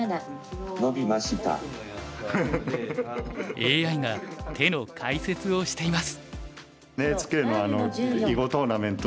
ＡＩが手の解説をしています。